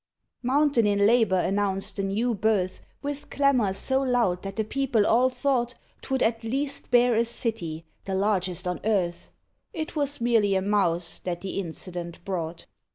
Mountain in labour announced the new birth With clamour so loud that the people all thought 'Twould at least bear a city, the largest on earth. It was merely a Mouse that the incident brought.